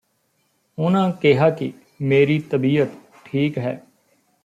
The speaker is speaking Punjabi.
ਉਨ੍ਹਾਂ ਕਿਹਾ ਕਿ ਮੇਰੀ ਤਬੀਅਤ ਠੀਕ ਹੈ